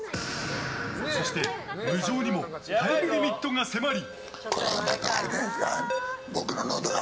そして、無情にもタイムリミットが迫り。